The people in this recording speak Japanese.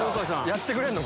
やってくれんの？